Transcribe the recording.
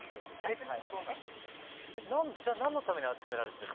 えっじゃあ何のために集められてる？